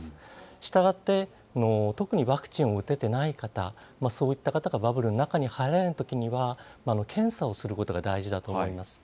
したがって、特にワクチンを打ててない方、そういった方がバブルの中に入られるときには、検査をすることが大事だと思います。